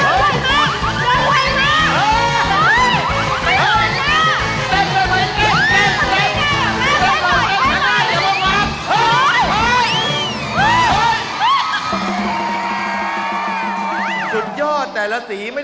โอ๊ยยงไหวมาก